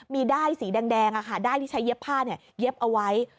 ด้ายสีแดงด้ายที่ใช้เย็บผ้าเย็บเอาไว้